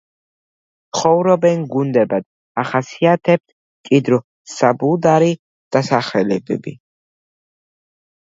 ცხოვრობენ გუნდებად, ახასიათებთ მჭიდრო საბუდარი დასახლებები.